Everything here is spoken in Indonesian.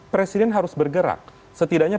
presiden harus bergerak setidaknya